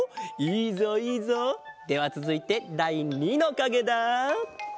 いいぞいいぞ！ではつづいてだい２のかげだ！